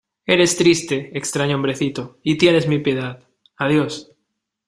Eres triste, extraño hombrecito , y tienes mi piedad. Adiós .